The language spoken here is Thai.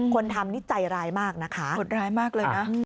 คนทำนี่ใจร้ายมากนะคะหดร้ายมากเลยนะ